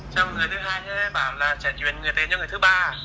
trong người thứ hai thì em sẽ chuyển tiền cho người thứ ba